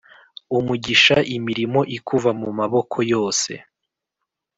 Umugisha imirimo ikuva mu maboko yose